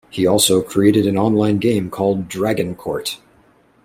He also created an online game called Dragon Court.